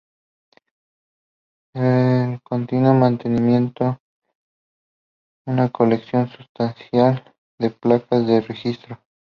Él continúa manteniendo una colección sustancial de placas de registro.